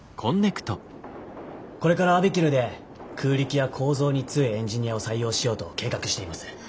これからＡＢＩＫＩＬＵで空力や構造に強いエンジニアを採用しようと計画しています。